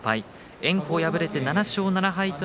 炎鵬は敗れて７勝７敗。